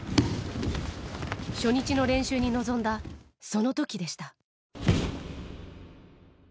初日の練習に臨んだ、そのときでした。